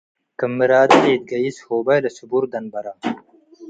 ክም ምራደ ኢትገይስ ሆባይ ለስቡር ደንበረ